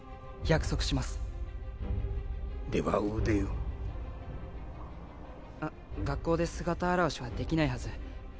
腕をあっ学校で姿現しはできないはず